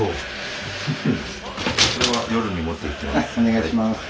はいお願いします。